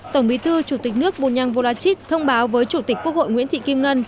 tổng bí thư chủ tịch nước bunyang vorachit thông báo với chủ tịch quốc hội nguyễn thị kim ngân